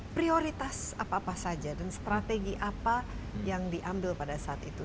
prioritas apa apa saja dan strategi apa yang diambil pada saat itu